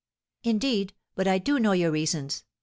"Indeed, but I do know your reasons!